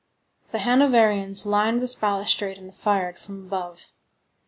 The Hanoverians lined this balustrade and fired from above.